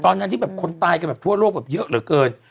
ตอนนั้นที่แบบคนตายกันแบบทั่วโลกแบบเยอะเหลือเกิน